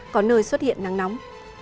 có nơi xuất hiện nắng nóng